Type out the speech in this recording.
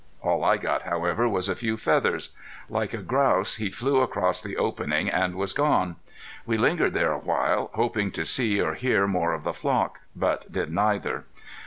All I got, however, was a few feathers. Like a grouse he flew across the opening and was gone. We lingered there a while, hoping to see or hear more of the flock, but did neither.